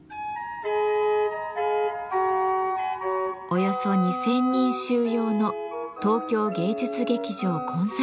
およそ２，０００人収容の東京芸術劇場コンサートホール。